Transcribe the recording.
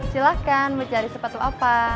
silahkan mencari sepatu apa